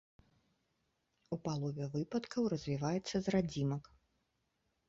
У палове выпадкаў развіваецца з радзімак.